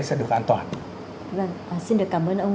sẽ được an toàn xin được cảm ơn ông